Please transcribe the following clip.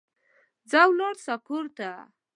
ځه ولاړ سه کور ته